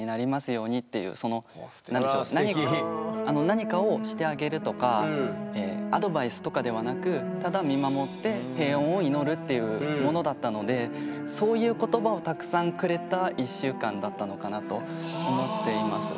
何かをしてあげるとかアドバイスとかではなくっていうものだったのでそういう言葉をたくさんくれた１週間だったのかなと思っています。